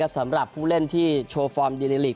สำหรับผู้เล่นที่โชว์ฟอร์มดีในลีก